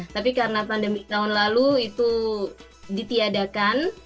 tapi karena pandemi tahun lalu itu ditiadakan